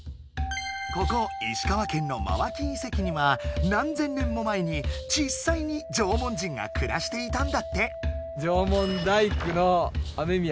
ここ石川県の真脇遺跡には何千年も前にじっさいに縄文人がくらしていたんだって。